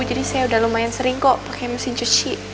jadi saya udah lumayan sering kok pakai mesin cuci